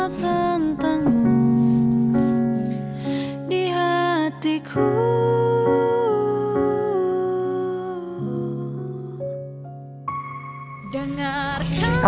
kamu istirahat ya